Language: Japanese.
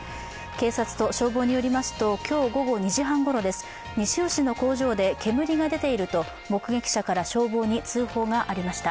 警察と消防によりますと今日午後２時半ごろです、西尾市の工場で煙が出ていると目撃者から消防に通報がありました。